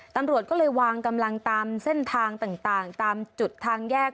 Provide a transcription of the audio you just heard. ตำรวจก็เลยวางกำลังตามเส้นทางต่างตามจุดทางแยก